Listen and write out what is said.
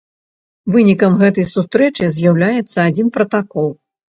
Вынікам гэтай сустрэчы з'яўляецца адзін пратакол.